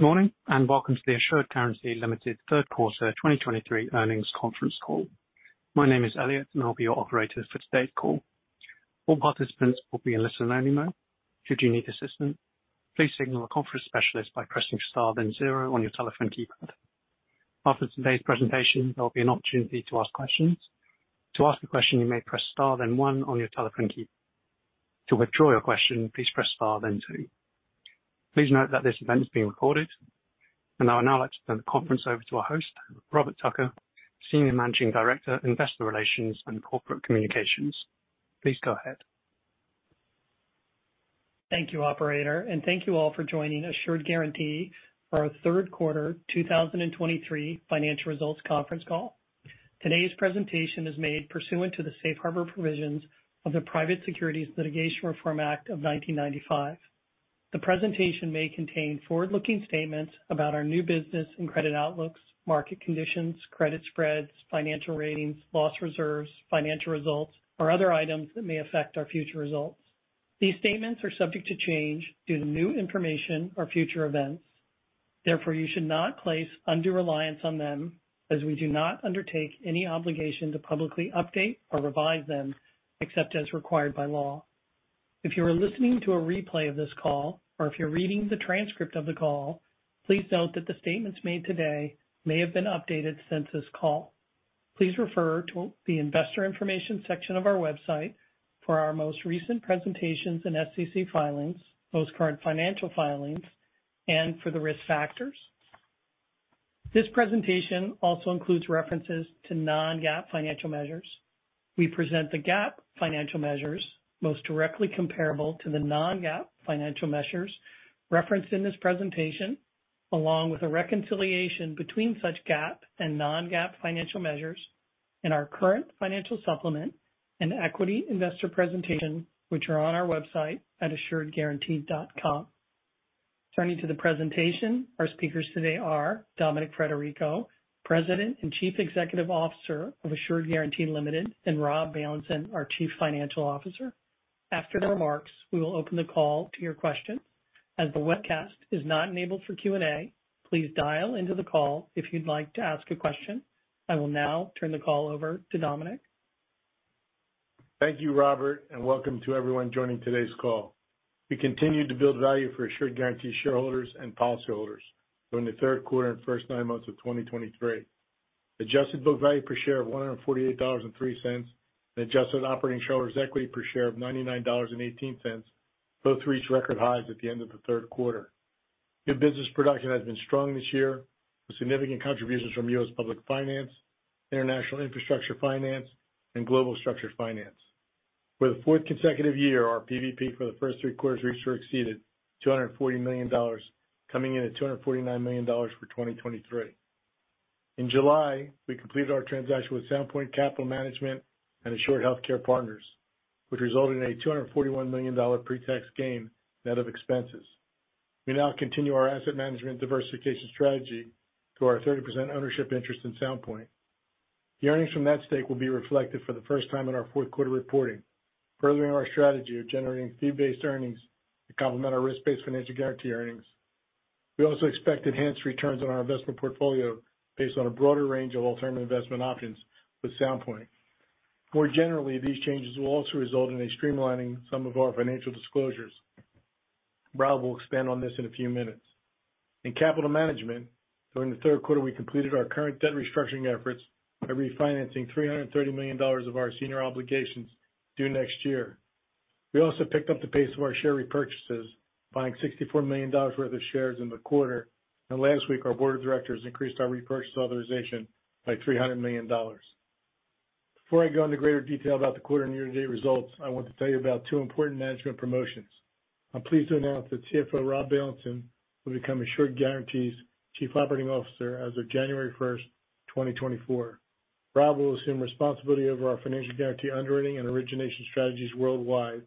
Good morning, and welcome to the Assured Guaranty Limited third quarter 2023 earnings conference call. My name is Elliot, and I'll be your operator for today's call. All participants will be in listen-only mode. Should you need assistance, please signal a conference specialist by pressing star, then zero on your telephone keypad. After today's presentation, there will be an opportunity to ask questions. To ask a question, you may press star, then one on your telephone keypad. To withdraw your question, please press star, then two. Please note that this event is being recorded. I would now like to turn the conference over to our host, Robert Tucker, Senior Managing Director, Investor Relations and Corporate Communications. Please go ahead. Thank you, operator, and thank you all for joining Assured Guaranty for our third quarter 2023 financial results conference call. Today's presentation is made pursuant to the safe harbor provisions of the Private Securities Litigation Reform Act of 1995. The presentation may contain forward-looking statements about our new business and credit outlooks, market conditions, credit spreads, financial ratings, loss reserves, financial results, or other items that may affect our future results. These statements are subject to change due to new information or future events. Therefore, you should not place undue reliance on them, as we do not undertake any obligation to publicly update or revise them, except as required by law. If you are listening to a replay of this call, or if you're reading the transcript of the call, please note that the statements made today may have been updated since this call. Please refer to the investor information section of our website for our most recent presentations and SEC filings, most current financial filings, and for the risk factors. This presentation also includes references to non-GAAP financial measures. We present the GAAP financial measures most directly comparable to the non-GAAP financial measures referenced in this presentation, along with a reconciliation between such GAAP and non-GAAP financial measures in our current financial supplement and equity investor presentation, which are on our website at assuredguaranty.com. Turning to the presentation, our speakers today are Dominic Frederico, President and Chief Executive Officer of Assured Guaranty Ltd., and Rob Bailenson, our Chief Financial Officer. After their remarks, we will open the call to your questions. As the webcast is not enabled for Q&A, please dial into the call if you'd like to ask a question. I will now turn the call over to Dominic. Thank you, Robert, and welcome to everyone joining today's call. We continue to build value for Assured Guaranty shareholders and policyholders during the third quarter and first nine months of 2023. Adjusted book value per share of $148.03, and adjusted operating shareholders' equity per share of $99.18, both reached record highs at the end of the third quarter. New business production has been strong this year, with significant contributions from U.S. public finance, international infrastructure finance, and global structured finance. For the fourth consecutive year, our PVP for the first three quarters reached or exceeded $240 million, coming in at $249 million for 2023. In July, we completed our transaction with Sound Point Capital Management and Assured Healthcare Partners, which resulted in a $241 million pre-tax gain, net of expenses. We now continue our asset management diversification strategy through our 30% ownership interest in Sound Point. The earnings from that stake will be reflected for the first time in our fourth quarter reporting, furthering our strategy of generating fee-based earnings to complement our risk-based financial guarantee earnings. We also expect enhanced returns on our investment portfolio based on a broader range of alternative investment options with Sound Point. More generally, these changes will also result in a streamlining some of our financial disclosures. Rob will expand on this in a few minutes. In capital management, during the third quarter, we completed our current debt restructuring efforts by refinancing $330 million of our senior obligations due next year. We also picked up the pace of our share repurchases, buying $64 million worth of shares in the quarter, and last week, our board of directors increased our repurchase authorization by $300 million. Before I go into greater detail about the quarter and year-to-date results, I want to tell you about two important management promotions. I'm pleased to announce that CFO Rob Bailenson will become Assured Guaranty's Chief Operating Officer as of January 1, 2024. Rob will assume responsibility over our financial guarantee underwriting and origination strategies worldwide,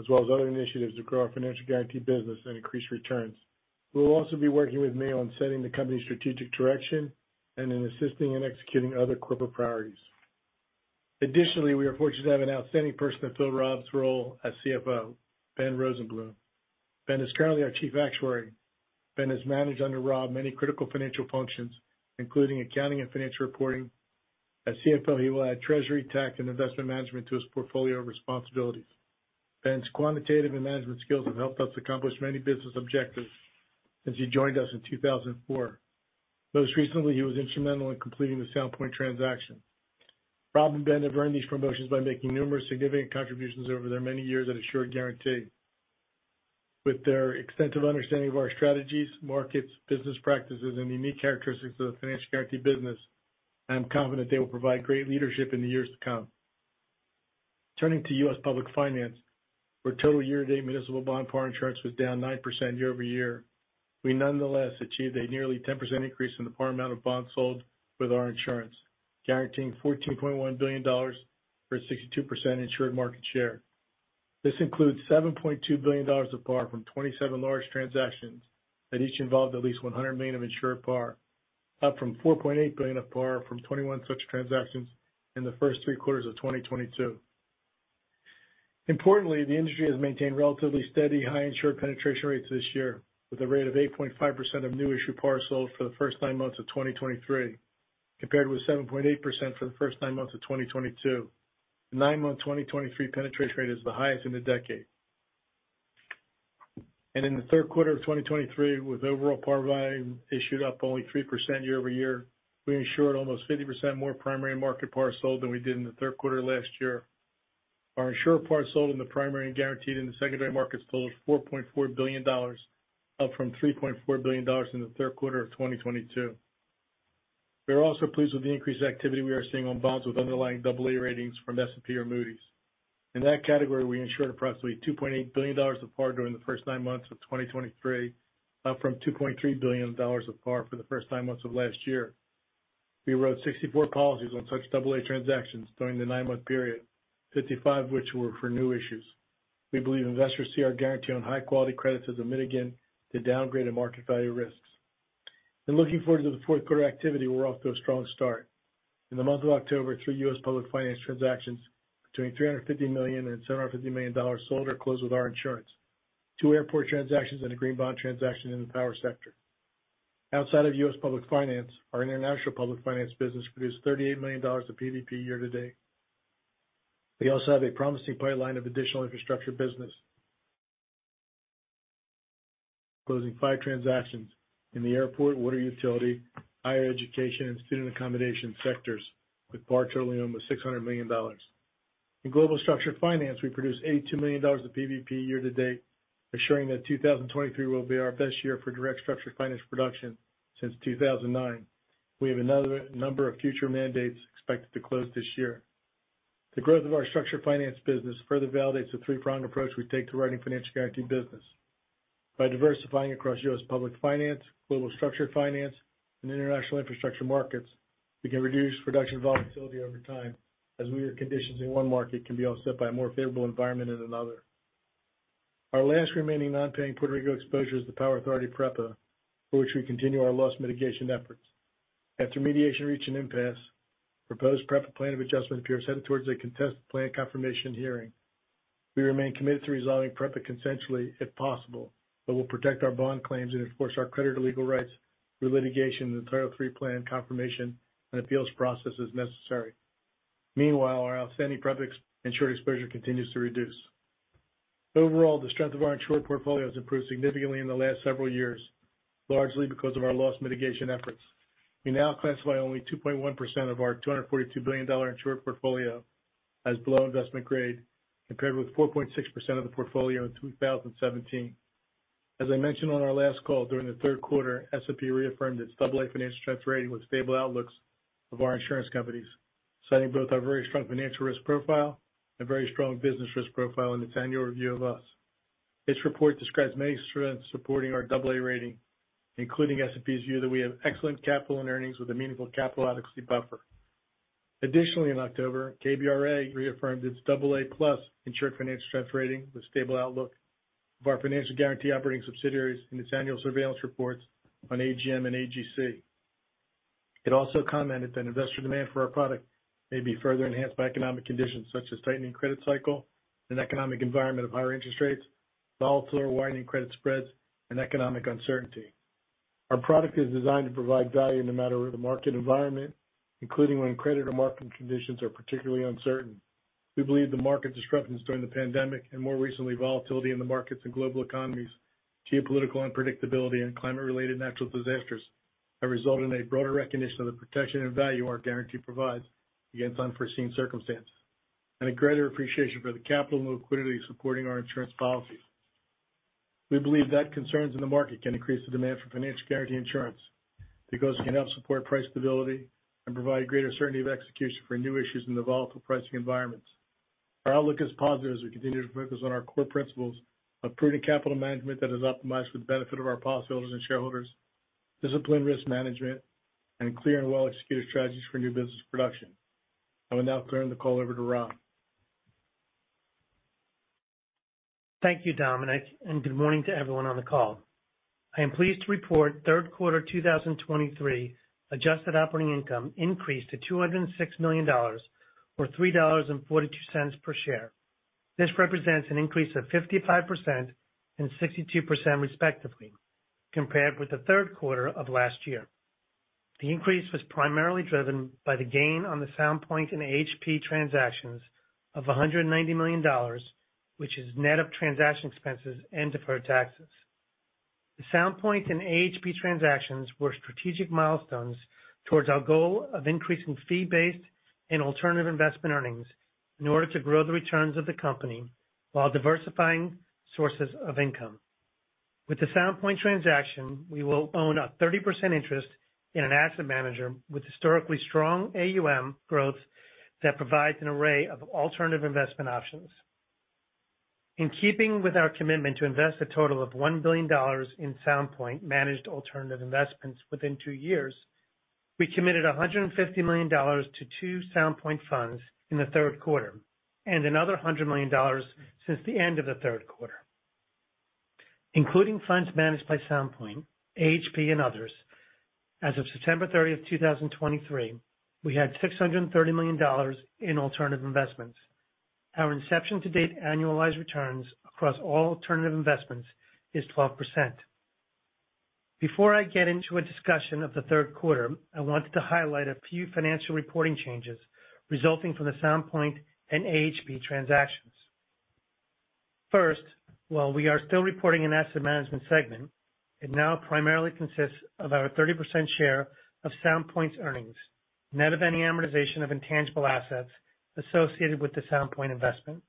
as well as other initiatives to grow our financial guarantee business and increase returns. He will also be working with me on setting the company's strategic direction and in assisting in executing other corporate priorities. Additionally, we are fortunate to have an outstanding person to fill Rob's role as CFO, Ben Rosenblum. Ben is currently our Chief Actuary. Ben has managed under Rob many critical financial functions, including accounting and financial reporting. As CFO, he will add treasury, tax, and investment management to his portfolio of responsibilities. Ben's quantitative and management skills have helped us accomplish many business objectives since he joined us in 2004. Most recently, he was instrumental in completing the Sound Point transaction. Rob and Ben have earned these promotions by making numerous significant contributions over their many years at Assured Guaranty. With their extensive understanding of our strategies, markets, business practices, and the unique characteristics of the financial guarantee business, I am confident they will provide great leadership in the years to come. Turning to U.S. public finance, where total year-to-date municipal bond par insurance was down 9% year-over-year, we nonetheless achieved a nearly 10% increase in the par amount of bonds sold with our insurance, guaranteeing $14.1 billion for a 62% insured market share. This includes $7.2 billion of par from 27 large transactions that each involved at least $100 million of insured par, up from $4.8 billion of par from 21 such transactions in the first three quarters of 2022.... Importantly, the industry has maintained relatively steady, high insured penetration rates this year, with a rate of 8.5% of new issue par sold for the first nine months of 2023, compared with 7.8% for the first nine months of 2022. The nine-month 2023 penetration rate is the highest in a decade. And in the third quarter of 2023, with overall par volume issued up only 3% year-over-year, we insured almost 50% more primary market par sold than we did in the third quarter last year. Our insured par sold in the primary and guaranteed in the secondary market totals $4.4 billion, up from $3.4 billion in the third quarter of 2022. We are also pleased with the increased activity we are seeing on bonds with underlying AA ratings from S&P or Moody's. In that category, we insured approximately $2.8 billion of par during the first nine months of 2023, up from $2.3 billion of par for the first nine months of last year. We wrote 64 policies on such AA transactions during the nine-month period, 55 which were for new issues. We believe investors see our guarantee on high-quality credits as a mitigant to downgrade and market value risks. In looking forward to the fourth quarter activity, we're off to a strong start. In the month of October, three U.S. public finance transactions between $350 million and $750 million sold or closed with our insurance, two airport transactions and a green bond transaction in the power sector. Outside of U.S. public finance, our international public finance business produced $38 million of PVP year to date. We also have a promising pipeline of additional infrastructure business, closing five transactions in the airport, water utility, higher education, and student accommodation sectors, with par totaling almost $600 million. In global structured finance, we produced $82 million of PVP year to date, ensuring that 2023 will be our best year for direct structured finance production since 2009. We have another number of future mandates expected to close this year. The growth of our structured finance business further validates the three-pronged approach we take to running financial guarantee business. By diversifying across U.S. public finance, global structured finance, and international infrastructure markets, we can reduce production volatility over time, as weird conditions in one market can be offset by a more favorable environment in another. Our last remaining non-paying Puerto Rico exposure is the Power Authority, PREPA, for which we continue our loss mitigation efforts. After mediation reached an impasse, proposed PREPA Plan of Adjustment appear headed towards a contested plan confirmation hearing. We remain committed to resolving PREPA consensually, if possible, but will protect our bond claims and enforce our creditor legal rights through litigation Title III plan confirmation and appeals process as necessary. Meanwhile, our outstanding PREPA insured exposure continues to reduce. Overall, the strength of our insured portfolio has improved significantly in the last several years, largely because of our loss mitigation efforts. We now classify only 2.1% of our $242 billion insured portfolio as below investment grade, compared with 4.6% of the portfolio in 2017. As I mentioned on our last call, during the third quarter, S&P reaffirmed its AA financial strength rating with stable outlooks of our insurance companies, citing both our very strong financial risk profile and very strong business risk profile in its annual review of us. This report describes many strengths supporting our AA rating, including S&P's view that we have excellent capital and earnings with a meaningful capital adequacy buffer. Additionally, in October, KBRA reaffirmed its AA+ Insured Financial Strength rating with stable outlook of our financial guarantee operating subsidiaries in its annual surveillance reports on AGM and AGC. It also commented that investor demand for our product may be further enhanced by economic conditions, such as tightening credit cycle, an economic environment of higher interest rates, volatile or widening credit spreads, and economic uncertainty. Our product is designed to provide value no matter the market environment, including when credit or market conditions are particularly uncertain. We believe the market disruptions during the pandemic, and more recently, volatility in the markets and global economies, geopolitical unpredictability, and climate-related natural disasters, have resulted in a broader recognition of the protection and value our guarantee provides against unforeseen circumstances, and a greater appreciation for the capital and liquidity supporting our insurance policies. We believe that concerns in the market can increase the demand for financial guarantee insurance, because we can help support price stability and provide greater certainty of execution for new issues in the volatile pricing environments. Our outlook is positive as we continue to focus on our core principles of prudent capital management that is optimized for the benefit of our policyholders and shareholders, disciplined risk management, and clear and well-executed strategies for new business production. I will now turn the call over to Rob. Thank you, Dominic, and good morning to everyone on the call. I am pleased to report third quarter 2023 adjusted operating income increased to $206 million, or $3.42 per share. This represents an increase of 55% and 62% respectively, compared with the third quarter of last year. The increase was primarily driven by the gain on the Sound Point and AHP transactions of $190 million, which is net of transaction expenses and deferred taxes. The Sound Point and AHP transactions were strategic milestones towards our goal of increasing fee-based and alternative investment earnings in order to grow the returns of the company while diversifying sources of income. With the Sound Point transaction, we will own a 30% interest in an asset manager with historically strong AUM growth that provides an array of alternative investment options. In keeping with our commitment to invest a total of $1 billion in Sound Point managed alternative investments within two years, we committed $150 million to two Sound Point funds in the third quarter, and another $100 million since the end of the third quarter, including funds managed by Sound Point, AHP, and others. As of September 30, 2023, we had $630 million in alternative investments. Our inception to date annualized returns across all alternative investments is 12%. Before I get into a discussion of the third quarter, I wanted to highlight a few financial reporting changes resulting from the Sound Point and AHP transactions. First, while we are still reporting an asset management segment, it now primarily consists of our 30% share of Sound Point's earnings, net of any amortization of intangible assets associated with the Sound Point investment.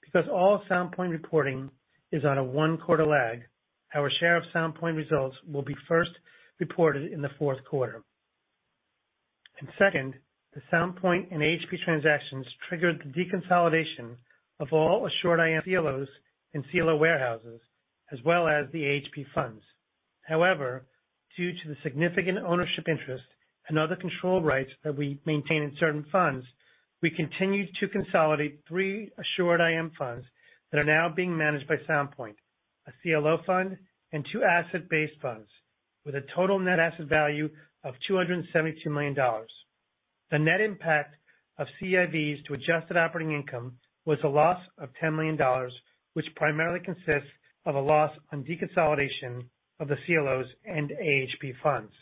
Because all Sound Point reporting is on a one-quarter lag, our share of Sound Point results will be first reported in the fourth quarter. And second, the Sound Point and AHP transactions triggered the deconsolidation of all Assured IM CLOs and CLO warehouses, as well as the AHP funds. However, due to the significant ownership interest and other control rights that we maintain in certain funds, we continue to consolidate 3 Assured IM funds that are now being managed by Sound Point, a CLO fund, and 2 asset-based funds, with a total net asset value of $272 million. The net impact of CIVs to adjusted operating income was a loss of $10 million, which primarily consists of a loss on deconsolidation of the CLOs and AHP funds.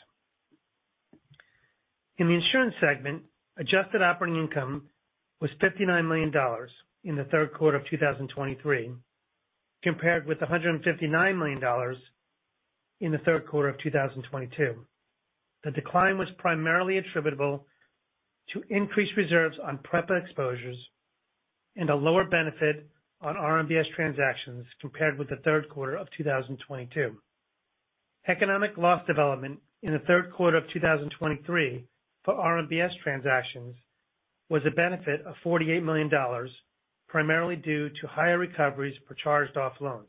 In the insurance segment, adjusted operating income was $59 million in the third quarter of 2023, compared with $159 million in the third quarter of 2022. The decline was primarily attributable to increased reserves on PREPA exposures and a lower benefit on RMBS transactions compared with the third quarter of 2022. Economic loss development in the third quarter of 2023 for RMBS transactions was a benefit of $48 million, primarily due to higher recoveries for charged-off loans.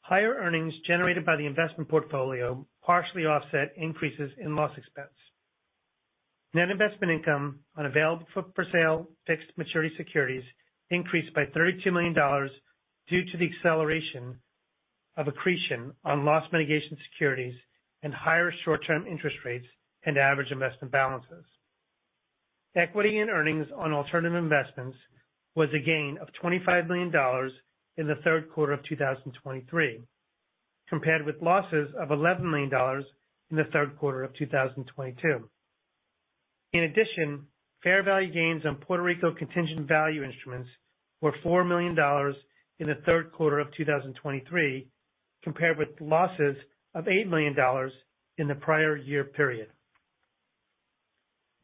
Higher earnings generated by the investment portfolio partially offset increases in loss expense. Net investment income on available for sale fixed maturity securities increased by $32 million due to the acceleration of accretion on loss mitigation securities and higher short-term interest rates and average investment balances. Equity in earnings on alternative investments was a gain of $25 million in the third quarter of 2023, compared with losses of $11 million in the third quarter of 2022. In addition, fair value gains on Puerto Rico contingent value instruments were $4 million in the third quarter of 2023, compared with losses of $8 million in the prior year period.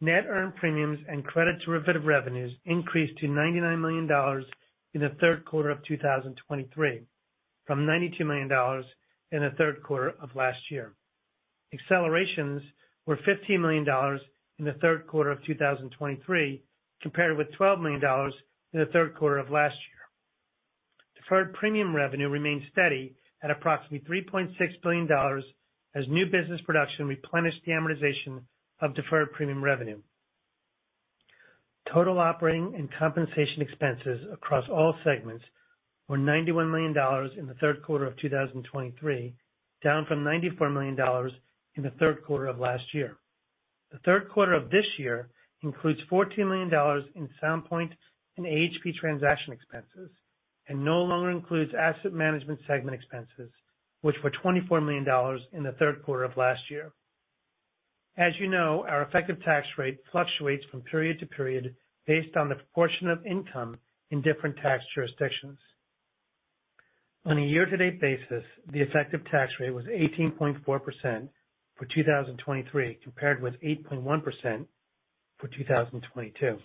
Net earned premiums and credit derivative revenues increased to $99 million in the third quarter of 2023, from $92 million in the third quarter of last year. Accelerations were $15 million in the third quarter of 2023, compared with $12 million in the third quarter of last year. Deferred premium revenue remained steady at approximately $3.6 billion, as new business production replenished the amortization of deferred premium revenue. Total operating and compensation expenses across all segments were $91 million in the third quarter of 2023, down from $94 million in the third quarter of last year. The third quarter of this year includes $14 million in Sound Point and AHP transaction expenses, and no longer includes asset management segment expenses, which were $24 million in the third quarter of last year. As you know, our effective tax rate fluctuates from period to period based on the proportion of income in different tax jurisdictions. On a year-to-date basis, the effective tax rate was 18.4% for 2023, compared with 8.1% for 2022.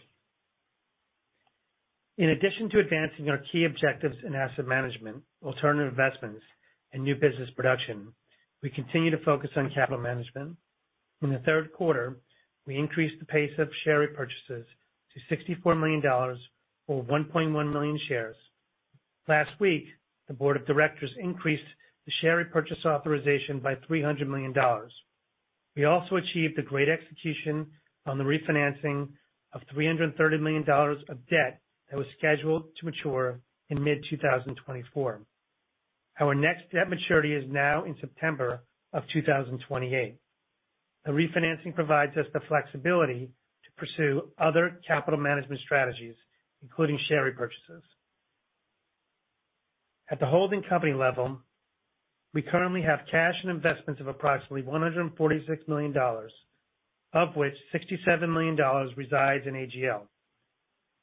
In addition to advancing our key objectives in asset management, alternative investments, and new business production, we continue to focus on capital management. In the third quarter, we increased the pace of share repurchases to $64 million, or 1.1 million shares. Last week, the board of directors increased the share repurchase authorization by $300 million. We also achieved a great execution on the refinancing of $330 million of debt that was scheduled to mature in mid-2024. Our next debt maturity is now in September 2028. The refinancing provides us the flexibility to pursue other capital management strategies, including share repurchases. At the holding company level, we currently have cash and investments of approximately $146 million, of which $67 million resides in AGL.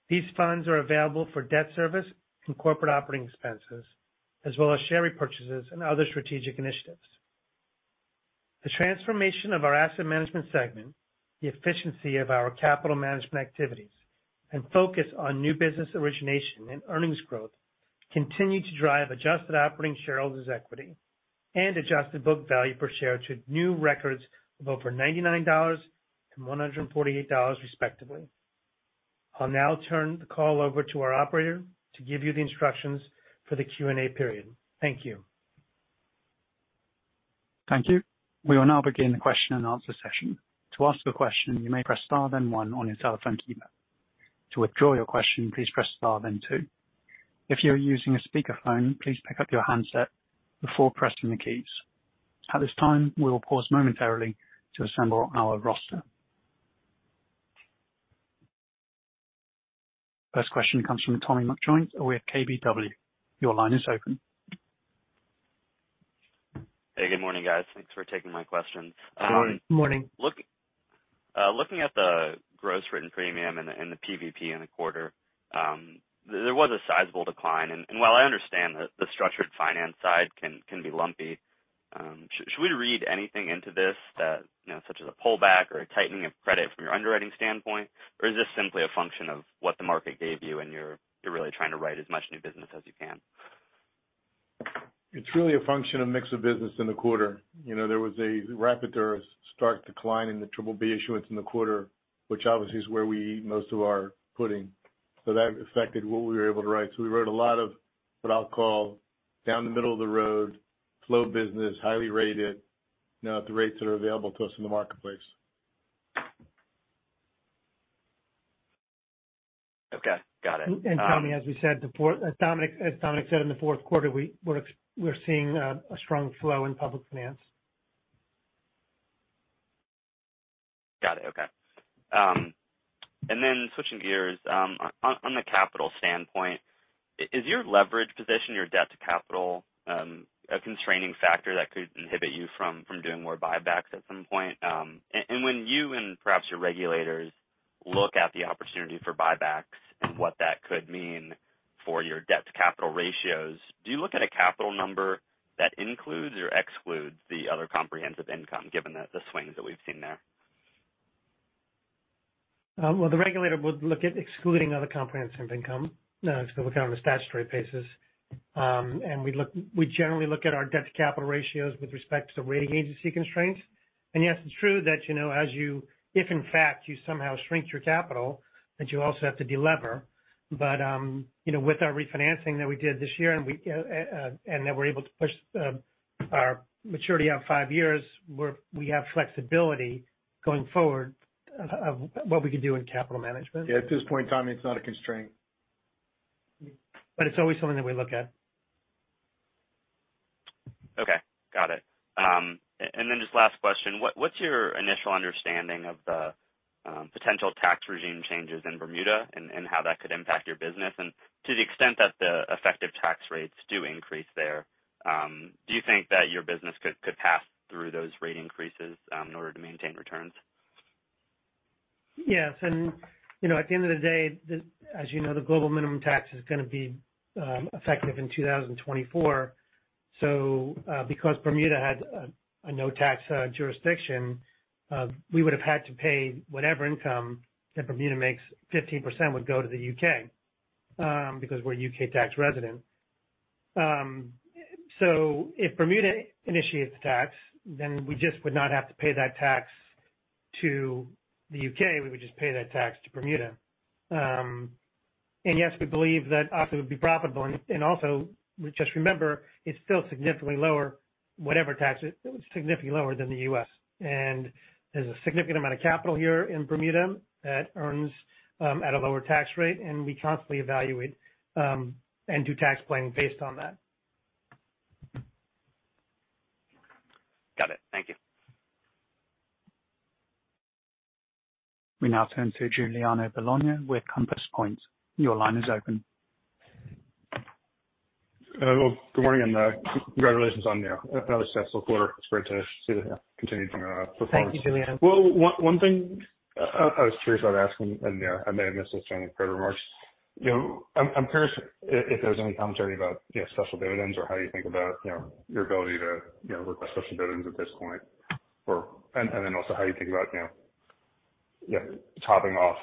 These funds are available for debt service and corporate operating expenses, as well as share repurchases and other strategic initiatives. The transformation of our asset management segment, the efficiency of our capital management activities, and focus on new business origination and earnings growth, continue to drive adjusted operating shareholders' equity and adjusted book value per share to new records of over $99 and $148, respectively. I'll now turn the call over to our operator to give you the instructions for the Q&A period. Thank you. Thank you. We will now begin the question and answer session. To ask a question, you may press star then one on your telephone keypad. To withdraw your question, please press star then two. If you're using a speakerphone, please pick up your handset before pressing the keys. At this time, we will pause momentarily to assemble our roster. First question comes from Tommy McJoynt with KBW. Your line is open. Hey, good morning, guys. Thanks for taking my questions. Morning. Morning. Looking at the gross written premium and the PVP in the quarter, there was a sizable decline. And while I understand that the structured finance side can be lumpy, should we read anything into this that... you know, such as a pullback or a tightening of credit from your underwriting standpoint? Or is this simply a function of what the market gave you, and you're really trying to write as much new business as you can? It's really a function of mix of business in the quarter. You know, there was a rapid or a stark decline in the BBB issuance in the quarter, which obviously is where we eat most of our pudding. So that affected what we were able to write. So we wrote a lot of what I'll call down the middle of the road, flow business, highly rated, you know, at the rates that are available to us in the marketplace. Okay, got it. And Tommy, as we said, the fourth, Dominic, as Dominic said, in the fourth quarter, we're seeing a strong flow in public finance. Got it. Okay. And then switching gears, on the capital standpoint, is your leverage position, your debt to capital, a constraining factor that could inhibit you from doing more buybacks at some point? And when you and perhaps your regulators look at the opportunity for buybacks and what that could mean for your debt to capital ratios, do you look at a capital number that includes or excludes the other comprehensive income, given the swings that we've seen there? Well, the regulator would look at excluding other comprehensive income, so look on a statutory basis. And we generally look at our debt to capital ratios with respect to rating agency constraints. And yes, it's true that, you know, as if in fact you somehow shrink your capital, that you also have to de-lever. But, you know, with our refinancing that we did this year, and that we're able to push our maturity out five years, we have flexibility going forward of what we can do in capital management. Yeah, at this point, Tommy, it's not a constraint. But it's always something that we look at. Okay, got it. And then just last question, what's your initial understanding of the potential tax regime changes in Bermuda and how that could impact your business? And to the extent that the effective tax rates do increase there, do you think that your business could pass through those rate increases in order to maintain returns? Yes, and you know, at the end of the day, as you know, the Global Minimum Tax is going to be effective in 2024. So, because Bermuda has a no-tax jurisdiction, we would have had to pay whatever income that Bermuda makes, 15% would go to the U.K., because we're a U.K. tax resident. So if Bermuda initiates the tax, then we just would not have to pay that tax to the U.K., we would just pay that tax to Bermuda. And yes, we believe that, yes, it would be profitable. And also, just remember, it's still significantly lower, whatever tax, it's significantly lower than the U.S., and there's a significant amount of capital here in Bermuda that earns at a lower tax rate, and we constantly evaluate and do tax planning based on that. Got it. Thank you. We now turn to Giuliano Bologna with Compass Point. Your line is open. Well, good morning, and congratulations on another successful quarter. It's great to see the continued performance. Thank you, Giuliano. Well, one thing I was curious about asking, and I may have missed this during the prepared remarks. You know, I'm curious if there's any commentary about, you know, special dividends or how you think about, you know, your ability to, you know, request special dividends at this point or. And then also how you think about, you know, yeah, topping off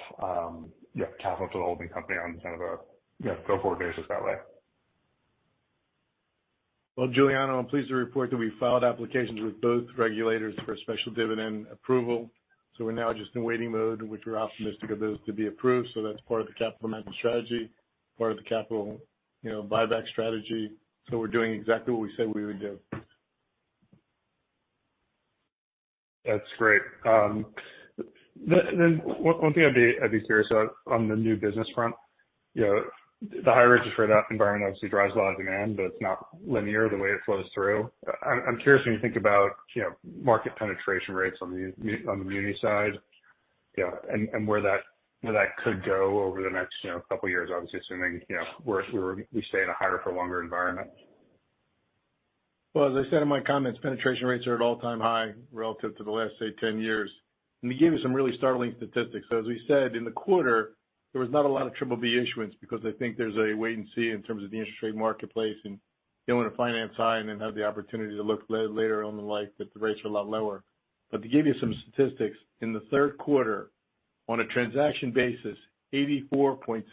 capital to the holding company on kind of a, you know, go-forward basis that way. Well, Giuliano, I'm pleased to report that we filed applications with both regulators for special dividend approval. So we're now just in waiting mode, which we're optimistic of those to be approved. So that's part of the capital management strategy, part of the capital, you know, buyback strategy. So we're doing exactly what we said we would do. That's great. Then one thing I'd be curious about on the new business front, you know, the higher interest rate environment obviously drives a lot of demand, but it's not linear the way it flows through. I'm curious when you think about, you know, market penetration rates on the muni side, you know, and where that could go over the next, you know, couple years. Obviously, assuming, you know, we stay in a higher for longer environment. Well, as I said in my comments, penetration rates are at an all-time high relative to the last, say, 10 years. Let me give you some really startling statistics. So as we said in the quarter, there was not a lot of BBB issuance because I think there's a wait and see in terms of the interest rate marketplace, and they want to finance high and then have the opportunity to look later on in life that the rates are a lot lower. But to give you some statistics, in the third quarter, on a transaction basis, 84.7%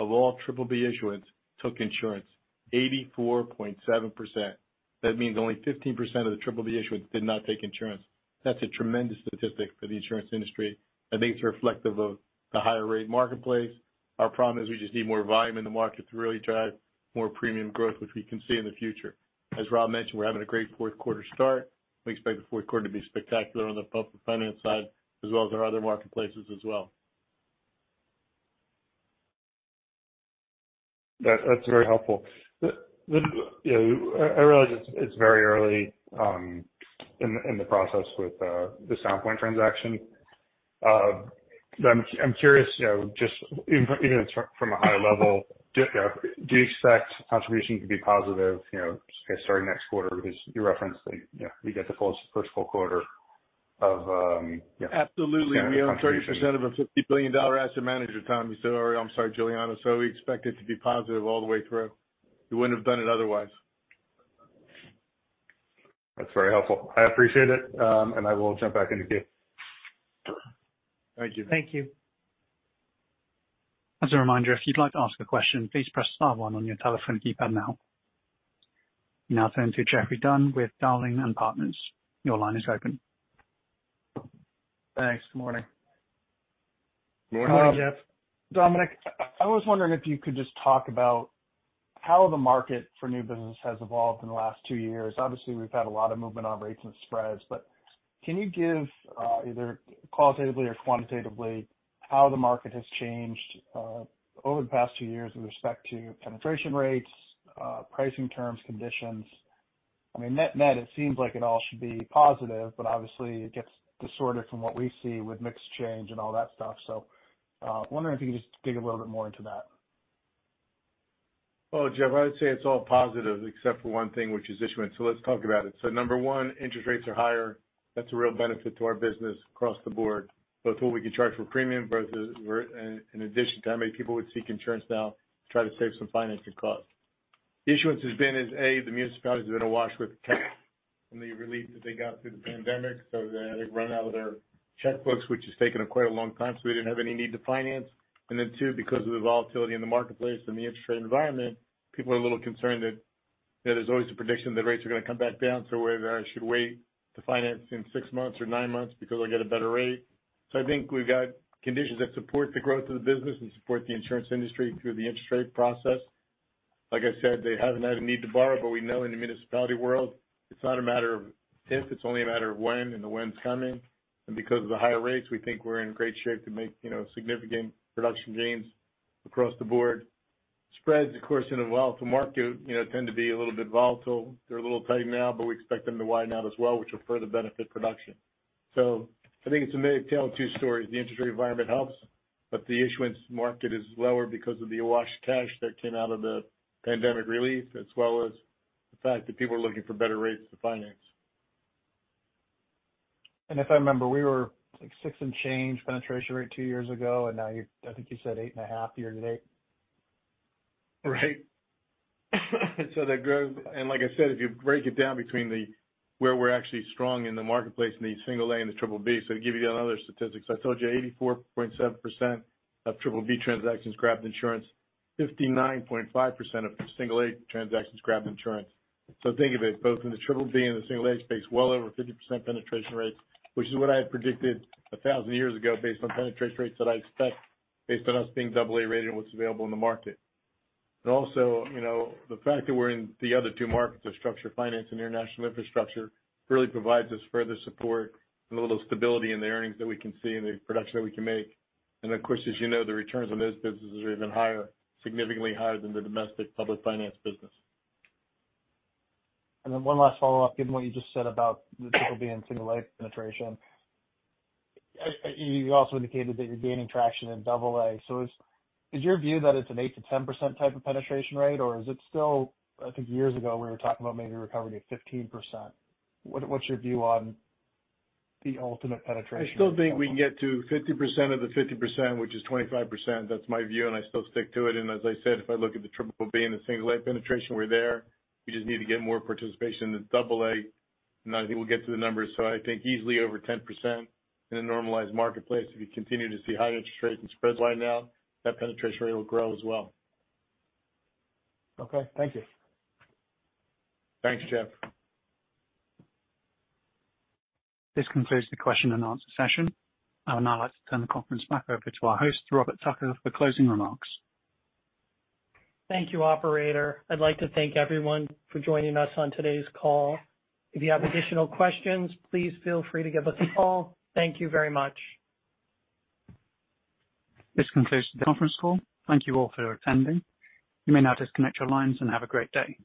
of all BBB issuance took insurance. 84.7%. That means only 15% of the BBB issuance did not take insurance. That's a tremendous statistic for the insurance industry. I think it's reflective of the higher rate marketplace. Our problem is we just need more volume in the market to really drive more premium growth, which we can see in the future. As Rob mentioned, we're having a great fourth quarter start. We expect the fourth quarter to be spectacular on the public finance side, as well as our other marketplaces as well. That's very helpful. You know, I realize it's very early in the process with the Sound Point transaction. But I'm curious, you know, just even from a high level, do you expect contribution to be positive, you know, say, starting next quarter? Because you referenced that, you know, we get the first full quarter. Absolutely. The contribution. We own 30% of a $50 billion asset manager, Tom. You said earlier. I'm sorry, Giuliano. So we expect it to be positive all the way through. We wouldn't have done it otherwise. That's very helpful. I appreciate it, and I will jump back into queue. Thank you. Thank you. As a reminder, if you'd like to ask a question, please press star one on your telephone keypad now. We now turn to Geoffrey Dunn with Dowling and Partners. Your line is open. Thanks. Good morning. Morning, Geoff. Dominic, I was wondering if you could just talk about how the market for new business has evolved in the last two years. Obviously, we've had a lot of movement on rates and spreads, but can you give, either qualitatively or quantitatively, how the market has changed, over the past two years with respect to penetration rates, pricing terms, conditions? I mean, net-net, it seems like it all should be positive, but obviously, it gets distorted from what we see with mixed change and all that stuff. So, wondering if you could just dig a little bit more into that. Well, Jeff, I would say it's all positive except for one thing, which is issuance. So let's talk about it. So number one, interest rates are higher. That's a real benefit to our business across the board, both what we can charge for premium versus where. In addition to how many people would seek insurance now to try to save some financing costs. Issuance has been as, a, the municipalities have been awash with cash from the relief that they got through the pandemic, so they've run out of their checkbooks, which has taken quite a long time, so we didn't have any need to finance. And then, two, because of the volatility in the marketplace and the interest rate environment, people are a little concerned that, that there's always a prediction that rates are going to come back down, so whether I should wait to finance in 6 months or 9 months because I'll get a better rate. So I think we've got conditions that support the growth of the business and support the insurance industry through the interest rate process. Like I said, they haven't had a need to borrow, but we know in the municipal world, it's not a matter of if, it's only a matter of when, and the when's coming. And because of the higher rates, we think we're in great shape to make, you know, significant production gains across the board. Spreads, of course, in a wealthy market, you know, tend to be a little bit volatile. They're a little tight now, but we expect them to widen out as well, which will further benefit production. So I think it's a tale of two stories. The interest rate environment helps, but the issuance market is lower because of the awash cash that came out of the pandemic relief, as well as the fact that people are looking for better rates to finance. If I remember, we were like 6 and change penetration rate two years ago, and now you're. I think you said 8.5 year to date. Right. So that growth. And like I said, if you break it down between the, where we're actually strong in the marketplace, in the A and the BBB, so to give you another statistic, so I told you 84.7% of BBB transactions grabbed insurance, 59.5% of A transactions grabbed insurance. So think of it, both in the BBB and the A space, well over 50% penetration rates, which is what I had predicted a thousand years ago based on penetration rates that I expect, based on us being AA rated and what's available in the market. And also, you know, the fact that we're in the other two markets of structured finance and international infrastructure, really provides us further support and a little stability in the earnings that we can see and the production that we can make. And of course, as you know, the returns on those businesses are even higher, significantly higher than the domestic public finance business. And then one last follow-up, given what you just said about the triple-B and single-A penetration. I, you also indicated that you're gaining traction in AA+. So is your view that it's an 8%-10% type of penetration rate, or is it still. I think years ago, we were talking about maybe recovering to 15%. What's your view on the ultimate penetration? I still think we can get to 50% of the 50%, which is 25%. That's my view, and I still stick to it. As I said, if I look at the BBB and the A penetration, we're there. We just need to get more participation in the AA, and then I think we'll get to the numbers. I think easily over 10% in a normalized marketplace, if you continue to see high interest rates and spreads widen out, that penetration rate will grow as well. Okay. Thank you. Thanks, Geoff. This concludes the question and answer session. I would now like to turn the conference back over to our host, Robert Tucker, for closing remarks. Thank you, operator. I'd like to thank everyone for joining us on today's call. If you have additional questions, please feel free to give us a call. Thank you very much. This concludes the conference call. Thank you all for attending. You may now disconnect your lines and have a great day.